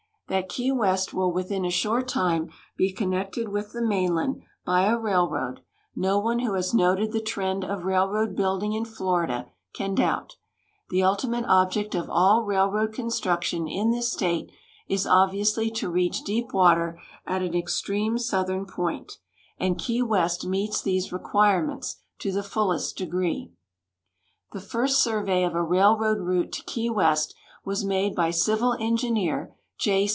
That Key West will within a short time be connected with the mainland by a* railroad, no one who has noted the trend of rail road l)uilding in Florida can doubt. The ultimate object of all railroad construction in this state is obviousl}' to reach deep water at an extreme southern point, and Ke}'' West meets the.se re (juirements to the fullest degree. The first survey of a railroad route to Key West was made by Civil Engineer J.